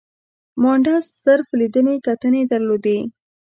مانډس صرف لیدنې کتنې درلودې.